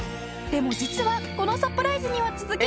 でも実はこのサプライズには続きがあるよ。